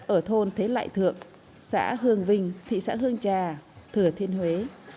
ở thôn thế lại thượng xã hương vinh thị xã hương trà thừa thiên huế